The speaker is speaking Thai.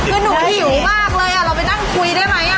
คือหนูหิวมากเลยเราไปนั่งคุยได้ไหม